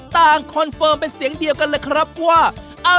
คอนเฟิร์มเป็นเสียงเดียวกันเลยครับว่า